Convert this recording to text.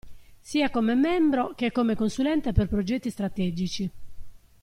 Sia come membro che come consulente per progetti strategici.